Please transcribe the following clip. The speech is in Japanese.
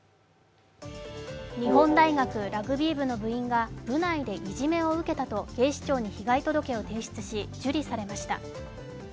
日本大学ラグビー部の部員が部内でいじめを受けたと警視庁に被害届を提出し、受理されました。